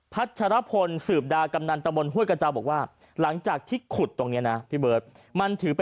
พัชรพลสืบดากำนันตมนต์